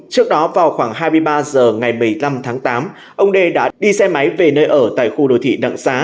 trước đó vào khoảng hai mươi ba h ngày một mươi năm tháng tám ông đê đã đi xe máy về nơi ở tại khu đô thị đặng xá